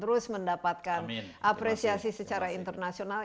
terus mendapatkan apresiasi secara internasional